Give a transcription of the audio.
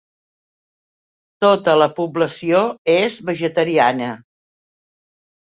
Tota la població és vegetariana.